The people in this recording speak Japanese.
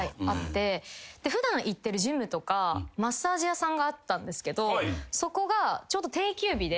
普段行ってるジムとかマッサージ屋さんがあったんですけどそこがちょうど定休日で。